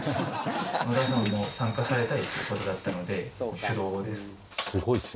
野田さんも参加されたいということだったので手動です。